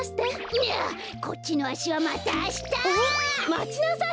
いやこっちのあしはまたあした！まちなさい！